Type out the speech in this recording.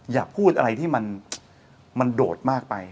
อย่าพูดอะไรที่มันโดดมากไป